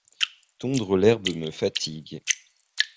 Tondre l'herbe me fatigue.